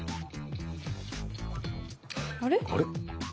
あれ？